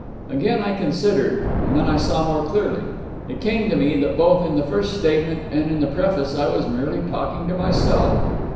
Again I considered; and then I saw more clearly. It came to me that, both in the first statement and in the Preface, I was merely talking to myself.